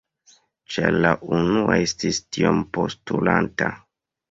Ĉar la unua estis tiom postulanta.